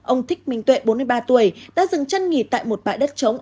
ông thích minh tuệ bốn mươi ba tuổi đã dừng chân nghỉ tại một bãi đất trống